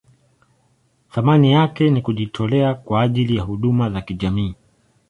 Thamani yake ni kujitolea kwa ajili ya huduma za kijamii.